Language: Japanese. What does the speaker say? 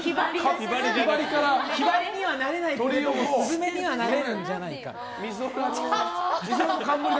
ひばりにはなれないけどすずめにはなれるんじゃないかと。